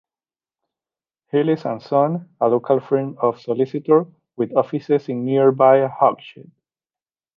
Heelis and Son, a local firm of solicitors with offices in nearby Hawkshead.